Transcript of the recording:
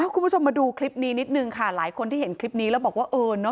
คุณผู้ชมมาดูคลิปนี้นิดนึงค่ะหลายคนที่เห็นคลิปนี้แล้วบอกว่าเออเนอ